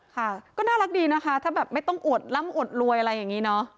ค่ะก็น่ารักดีนะคะถ้าแบบไม่ต้องอวดล่ำอวดรวยอะไรอย่างนี้เนอะ